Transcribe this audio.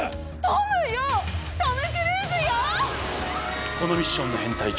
トム・クルーズよ！